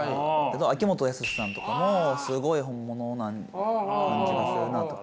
秋元康さんとかもすごい本物な感じがするなとか。